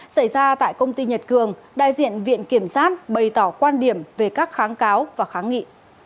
xảy ra tại công ty nhật cường đại diện viện kiểm sát bày tỏ quan điểm về các kháng cáo và kháng nghị